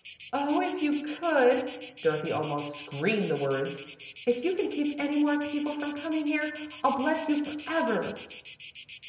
"Oh, if you could!" Dorothy almost screamed the words. "If you can keep any more people from coming here, I'll bless you for ever."